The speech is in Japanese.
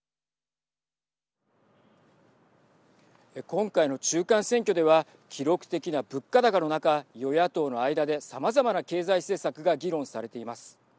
今回の中間選挙では記録的な物価高の中与野党の間でさまざまな経済政策が議論されています。